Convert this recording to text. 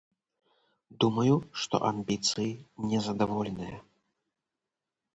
Думаю, што амбіцыі незадаволеныя.